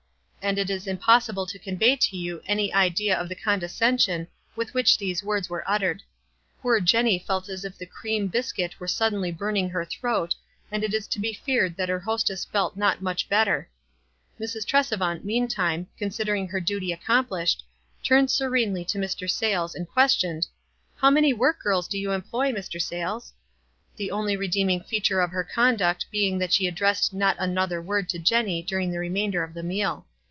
And it is impossible to convey to you any idea of the condescension with which these words were uttered. Poor Jenny felt as if the cream bis cuit were suddenly burning her throat, and it is to be feared that her hostess felt not much bet ter. Mrs. Tresevant, meantime, considering her duty accomplished, turned serenely to Mr. Sayles, and questioned, " How many work girls do you employ, Mr. Sayles?" The only re deeming feature of her conduct being that she addressed not another word to Jenny during the remainder of the meal.